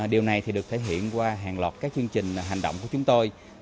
điều này được thể hiện qua hàng loạt các chương trình hành động của chúng tôi